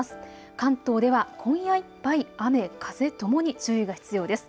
関東では今夜いっぱい、雨風ともに注意が必要です。